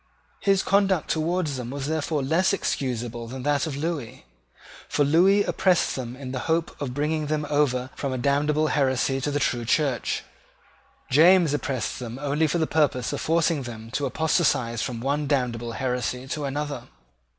His conduct towards them was therefore less excusable than that of Lewis: for Lewis oppressed them in the hope of bringing them over from a damnable heresy to the true Church: James oppressed them only for the purpose of forcing them to apostatize from one damnable heresy to another.